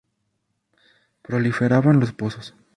Proliferaban los pozos.